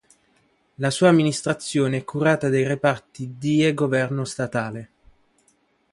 La sua amministrazione è curata dai reparti die Governo Statale.